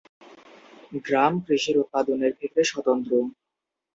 গ্রাম কৃষির উৎপাদনের ক্ষেত্রে স্বতন্ত্র।